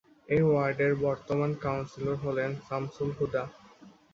এ ওয়ার্ডের বর্তমান কাউন্সিলর হলেন সামসুল হুদা।